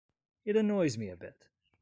It annoys me a bit.